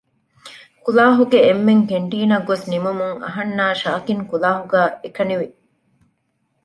ކުލާހުގެ އެންމެން ކެންޓީނަށް ގޮސް ނިމުމުން އަހަންނާ ޝާކިން ކުލާހުގައި އެކަނިވި